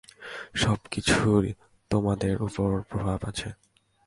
সবকিছুর তোমাদের উপর প্রভাব আছে!